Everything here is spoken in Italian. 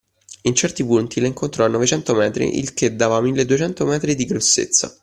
In certi punti la incontrò a novecento metri, il che dava milleduecento metri di grossezza.